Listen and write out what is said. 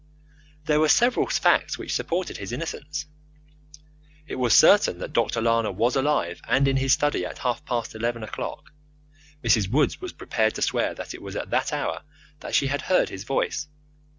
There were several facts which supported his innocence. It was certain that Dr. Lana was alive and in his study at half past eleven o'clock. Mrs. Woods was prepared to swear that it was at that hour that she had heard his voice.